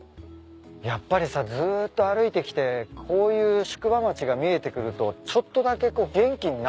やっぱりさずっと歩いてきてこういう宿場町が見えてくるとちょっとだけ元気になったでしょうね。